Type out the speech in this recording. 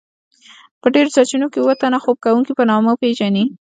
په ډیرو سرچینو کې اوه تنه خوب کوونکيو په نامه پیژني.